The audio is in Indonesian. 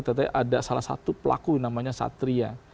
tetapi ada salah satu pelaku namanya satria